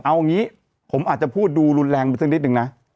เอางี้ผมอาจจะพูดดูรุนแรงไปสักนิดนึงนะ